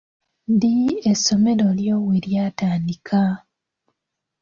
Ddi essomero lyo we ly'atandika?